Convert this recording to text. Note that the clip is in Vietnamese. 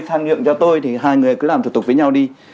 thang nhượng cho tôi thì hai người cứ làm thủ tục với nhau đi